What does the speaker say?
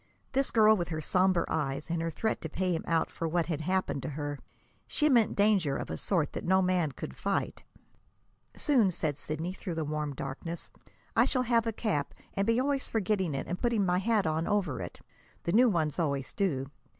This girl with her somber eyes and her threat to pay him out for what had happened to her she meant danger of a sort that no man could fight. "Soon," said Sidney, through the warm darkness, "I shall have a cap, and be always forgetting it and putting my hat on over it the new ones always do.